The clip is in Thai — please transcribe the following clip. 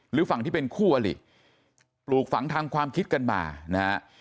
หรือฝั่งที่เป็นคู่อลิปลูกฝังทางความคิดกันมานะฮะ